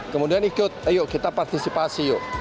kemudian ikut ayo kita partisipasi yuk